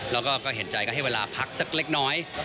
แล้วก็เห็นใจก็ให้เวลาพักสักเล็กน้อย